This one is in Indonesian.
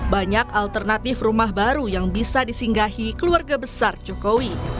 banyak alternatif rumah baru yang bisa disinggahi keluarga besar jokowi